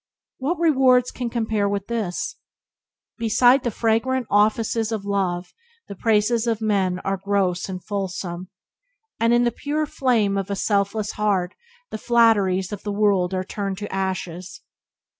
What rewards can compare with this? Beside the fragrant offices of love the praises of men are gross and fulsome, and in the pure flame of a selfless heart the flatteries of the world are turned to ashes.